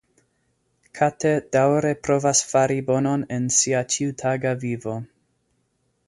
Kate daŭre provas fari bonon en sia ĉiutaga vivo.